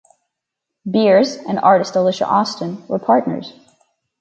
Beers and artist Alicia Austin were partners.